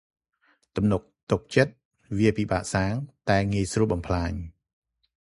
ទំនុកទុកចិត្ត វាពិបាកកសាង តែងាយស្រួលបំផ្លាញ។